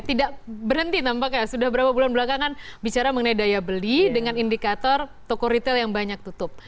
tidak berhenti nampaknya sudah berapa bulan belakangan bicara mengenai daya beli dengan indikator toko retail yang banyak tutup